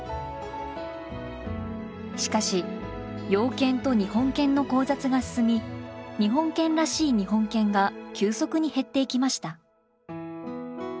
しかし洋犬と日本犬の交雑が進み日本犬らしい日本犬が急速に減っていきました。